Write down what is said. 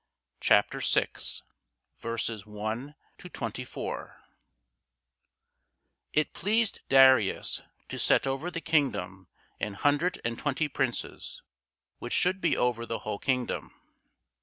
CHAPTER III DANIEL It pleased Darius to set over the kingdom an hundred and twenty princes, which should be over the whole kingdom.